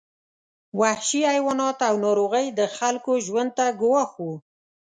وحشي حیوانات او ناروغۍ د خلکو ژوند ته ګواښ وو.